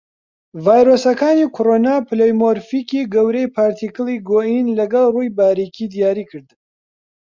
ڤایرۆسەکانی کۆڕۆنا پلۆیمۆرفیکی گەورەی پارتیکڵی گۆیین لەگەڵ ڕووی باریکی دیاریکردن.